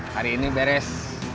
hari ini beres